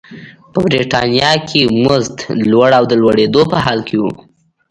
په برېټانیا کې مزد لوړ او د لوړېدو په حال کې و.